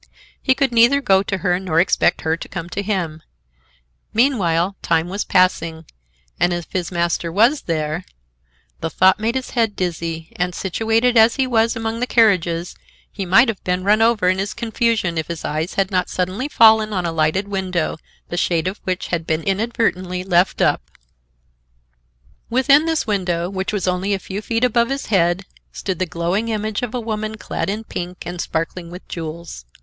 He could neither go to her nor expect her to come to him; meanwhile, time was passing, and if his master was there—The thought made his head dizzy, and, situated as he was, among the carriages, he might have been run over in his confusion if his eyes had not suddenly fallen on a lighted window, the shade of which had been inadvertently left up. Within this window, which was only a few feet above his head, stood the glowing image of a woman clad in pink and sparkling with jewels.